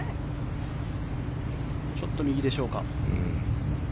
ちょっと右でしょうか。